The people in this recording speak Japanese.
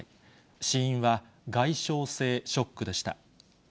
死因は外傷性ショックでした。